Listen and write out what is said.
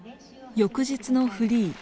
翌日のフリー。